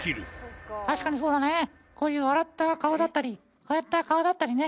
確かにそうだねこういう笑った顔だったりこうやった顔だったりね。